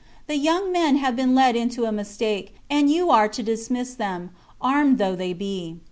The young men have been led into a mistake, and you are to dismiss them, armed though they be.